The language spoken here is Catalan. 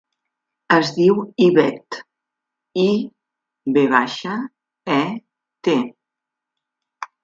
Es diu Ivet: i, ve baixa, e, te.